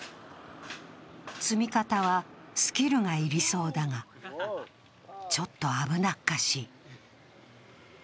積み方はスキルが要りそうだが、ちょっと危なっかしい。